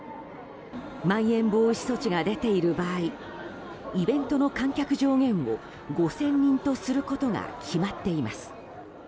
まん延防止措置が出ている場合イベントの観客上限を５０００人とすることが決まっています。